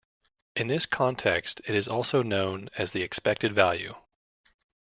In this context, it is also known as the expected value.